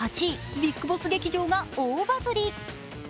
８位、ビッグボス劇場が大バズり。